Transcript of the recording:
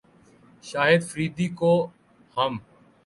شاہد فریدی کو ہم